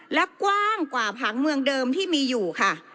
และกว้างกว่าผังเมืองเดิมที่มีอยู่ค่ะ